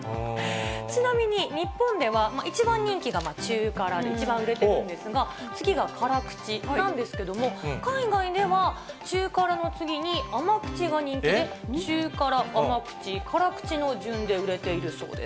ちなみに、日本では一番人気が中辛で、一番売れてるんですが、次が辛口なんですけども、海外では中辛の次に甘口が人気で、中辛、甘口、辛口の順で売れているそうです。